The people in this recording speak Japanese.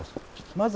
まず。